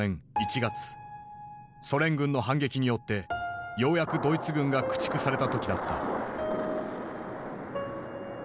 ソ連軍の反撃によってようやくドイツ軍が駆逐された時だった。